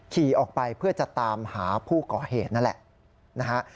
ขี่ออกไปเพื่อจะตามหาผู้ก่อเหตุนั่นแหละนะฮะ